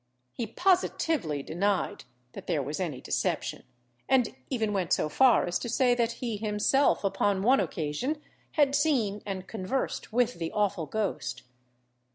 He positively denied that there was any deception, and even went so far as to say that he himself, upon one occasion, had seen and conversed with the awful ghost.